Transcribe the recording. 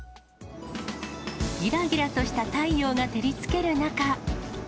ぎらぎらとした太陽が照りつける中。